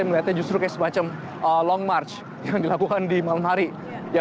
merasa capek atau gimana nih